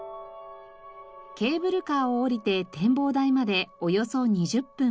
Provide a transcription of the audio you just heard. ケーブルカーを降りて展望台までおよそ２０分。